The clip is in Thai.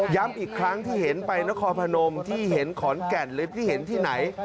อีกครั้งที่เห็นไปนครพนมที่เห็นขอนแก่นหรือที่เห็นที่ไหน